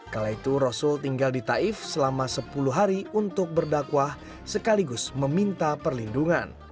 kala itu rasul tinggal di taif selama sepuluh hari untuk berdakwah sekaligus meminta perlindungan